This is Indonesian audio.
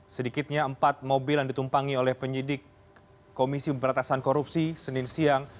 sedikitnya empat mobil yang ditumpangi oleh penyidik komisi pemberatasan korupsi senin siang